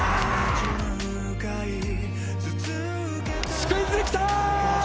スクイズで来た！